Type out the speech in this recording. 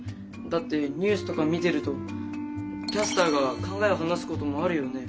だってニュースとか見てるとキャスターが考えを話すこともあるよね。